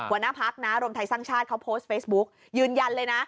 บรรณพักษณ์นะรมทัยสร้างชาติเขาโพสต์เฟซบุ๊คยืนยันเลยนะ